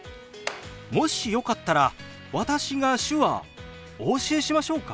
もしよかったら私が手話お教えしましょうか？